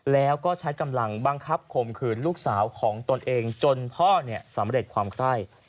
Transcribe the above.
แล้วก็ใช้กำลังบังคับข่มขืนลูกสาวของตนเองจนพ่อสำเร็จความไคร่